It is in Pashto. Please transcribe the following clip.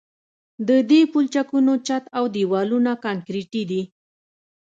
د دې پلچکونو چت او دیوالونه کانکریټي دي